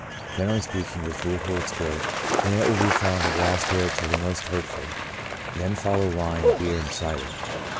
Generally speaking, this rule holds good, and it will be found that raw spirits are the mqst hurtful ; then follow wine, beer, and cider.